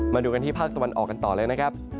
มาดูกันที่ภาคตะวันออกกันต่อเลยนะครับ